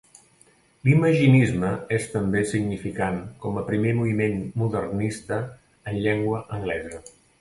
L'imaginisme és també significant com a primer moviment modernista en llengua anglesa.